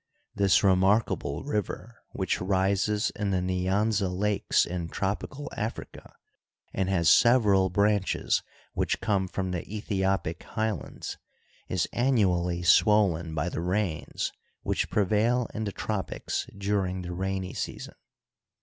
This remarkable river, which rises in the Nyanza Lakes in tropical Africa, and has several branches which come from the Ethiopic highlands, is annually swollen by the rains which prevail in the tropics during the rainy season.